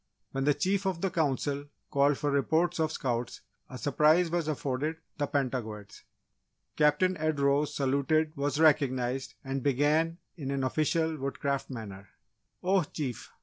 When the Chief of the Council called for reports of Scouts, a surprise was afforded the Pentagoets. Captain Ed rose, saluted, was recognised, and began in an official Woodcraft manner: "Oh Chief!